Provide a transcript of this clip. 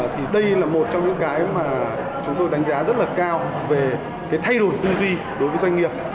thì đây là một trong những cái mà chúng tôi đánh giá rất là cao về cái thay đổi tư duy đối với doanh nghiệp